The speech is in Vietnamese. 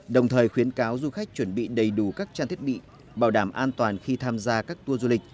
đồng thời khuyến cáo du khách chuẩn bị đầy đủ các trang thiết bị bảo đảm an toàn khi tham gia các tour du lịch